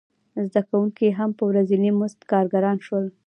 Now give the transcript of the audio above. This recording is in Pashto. زده کوونکي هم په ورځیني مزد کارګران شول.